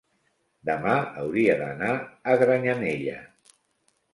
demà hauria d'anar a Granyanella.